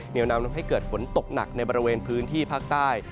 นำให้เกิดฝนตกหนักในบริเวณพื้นที่ภาคใต้